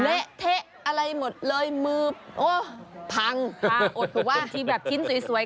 เละเทะอะไรหมดเลยมือโอ้พังพังอดถูกว่าที่แบบชิ้นสวย